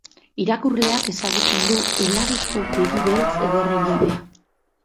Irakurleak ezagutzen du Eladitxo, begi beltz ederren jabea.